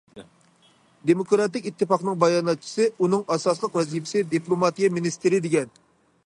دېموكراتىك ئىتتىپاقنىڭ باياناتچىسى:« ئۇنىڭ ئاساسلىق ۋەزىپىسى دىپلوماتىيە مىنىستىرى» دېگەن.